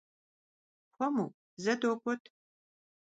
Хуэму, зэ догуэт!